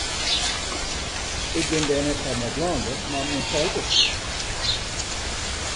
Ik bin dêr net sa mei dwaande, mar men seit it.